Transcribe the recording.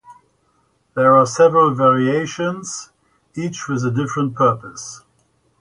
There are several variations each with a different purpose.